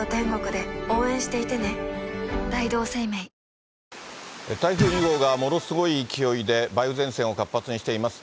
ニトリ台風２号がものすごい勢いで、梅雨前線を活発にしています。